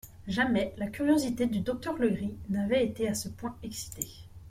Jamais la curiosité du docteur Legris n'avait été à ce point excitée.